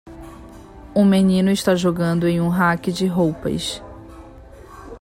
Um menino está jogando em um rack de roupas.